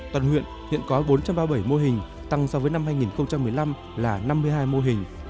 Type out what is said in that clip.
toàn huyện hiện có bốn trăm ba mươi bảy mô hình tăng so với năm hai nghìn một mươi năm là năm mươi hai mô hình